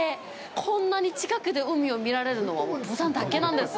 こんなに近くで海を見られるのは釜山だけなんです。